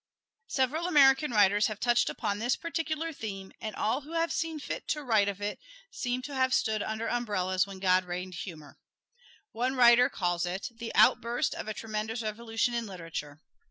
Several American writers have touched upon this particular theme, and all who have seen fit to write of it seem to have stood under umbrellas when God rained humor. One writer calls it "the outburst of a tremendous revolution in literature."